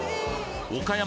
岡山